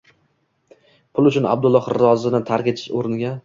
pul uchun Alloh rizosnni tark etish o'rniga